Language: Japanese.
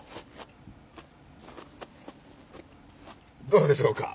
どうでしょうか？